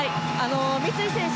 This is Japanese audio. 三井選手